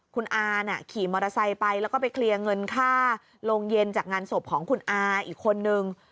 คุณอาน่ะขี่มอเตอร์ไซค์ไปแล้วก็ไปเคลียร์เงินค่าโรงเย็นจากงานศพของคุณอาอีกคนนึง